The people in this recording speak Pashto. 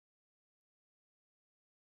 ژبې د افغانستان د کلتوري میراث برخه ده.